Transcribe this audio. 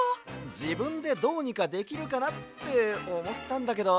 じぶんでどうにかできるかなっておもったんだけど。